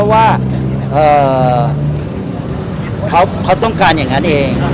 ว่าเขาต้องการอย่างนั้นเอง